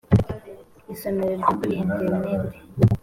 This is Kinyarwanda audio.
isomero ryo kuri interineti